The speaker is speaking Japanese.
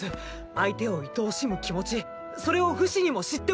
相手を愛おしむ気持ちそれをフシにも知ってもらいたい！